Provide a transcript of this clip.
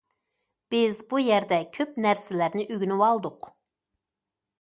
بىز بۇ يەردە كۆپ نەرسىلەرنى ئۆگىنىۋالدۇق.